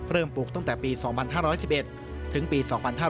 ปลูกตั้งแต่ปี๒๕๑๑ถึงปี๒๕๕๙